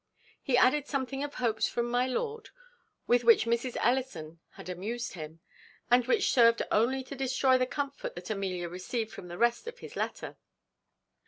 He added something of hopes from my lord, with which Mrs. Ellison had amused him, and which served only to destroy the comfort that Amelia received from the rest of his letter.